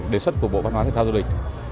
đề xuất của bộ văn hóa thể thao du lịch